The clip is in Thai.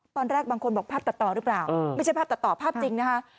ตอนแรกบางคนบอกภาพตัดต่อหรือเปล่าไม่ใช่ภาพตัดต่อภาพจริงนะคะ